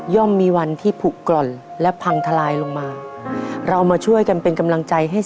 มีวันที่ผูกกร่อนและพังทลายลงมาเรามาช่วยกันเป็นกำลังใจให้